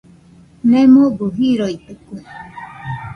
Nemobɨ jiroitɨkue.